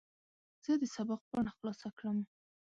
زه د سبق پاڼه خلاصه کړم.